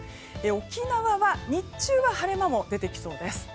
沖縄は日中は晴れ間も出てきそうです。